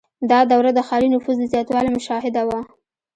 • دا دوره د ښاري نفوس د زیاتوالي شاهده وه.